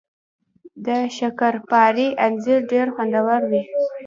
د شکرپارې انځر ډیر خوندور وي